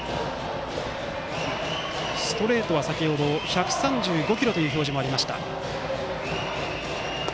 ストレートは先程１３５キロの表示もありました。